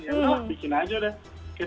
ya udah bikin aja deh